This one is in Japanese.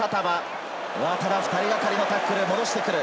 ２人がかりのタックルで戻してくる。